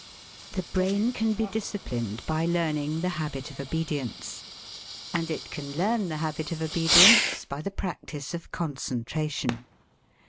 The brain can be disciplined by learning the habit of obedience. And it can learn the habit of obedience by the practice of concentration.